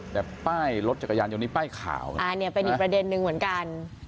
แต่ป้ายรถจักรยานยนต์นี้ป้ายขาวอ่าเนี่ยเป็นอีกประเด็นนึงเหมือนกัน